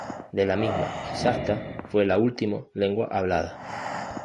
De la misma, el Shasta fue la último lengua hablada.